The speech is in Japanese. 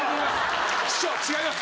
師匠違います！